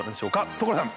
所さん！